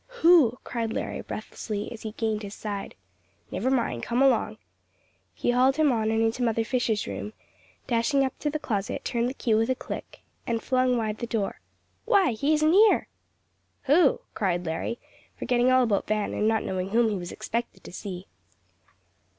"Who?" cried Larry, breathlessly, as he gained his side. "Never mind, come along." He hauled him on and into Mother Fisher's room, dashing up to the closet, turned the key with a click, and flung wide the door, "Why, he isn't here!" "Who?" cried Larry, forgetting all about Van, and not knowing whom he was expected to see.